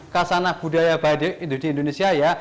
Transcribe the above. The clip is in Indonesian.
kasanah budaya badai di indonesia ya